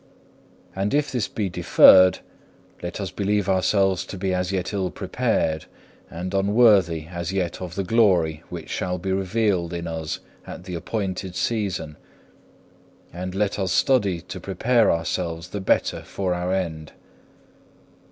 7. And if this be deferred, let us believe ourselves to be as yet ill prepared, and unworthy as yet of the glory which shall be revealed in us at the appointed season; and let us study to prepare ourselves the better for our end.